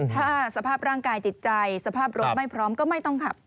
ถ้าสภาพร่างกายจิตใจสภาพรถไม่พร้อมก็ไม่ต้องขับ